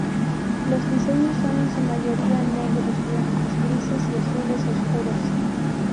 Los diseños son en su mayoría negros, blancos, grises y azules oscuros.